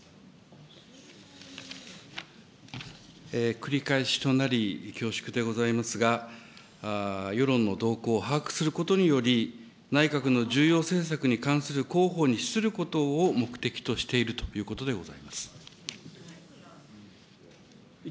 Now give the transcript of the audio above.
繰り返しとなり、恐縮でございますが、世論の動向を把握することにより、内閣の重要政策に関する広報に資することを目的としているということでございます。